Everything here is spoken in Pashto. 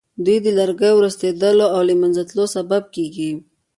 دوی د لرګیو د ورستېدلو او له منځه تلو سبب ګرځي.